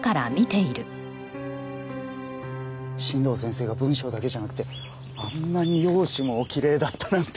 新道先生が文章だけじゃなくてあんなに容姿もおきれいだったなんて！